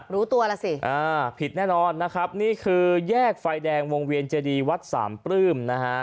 รู้ตัวแล้วสิอ่าผิดแน่นอนนะครับนี่คือแยกไฟแดงวงเวียนเจดีวัดสามปลื้มนะฮะ